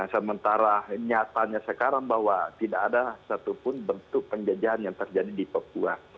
sementara nyatanya sekarang bahwa tidak ada satupun bentuk penjajahan yang terjadi di papua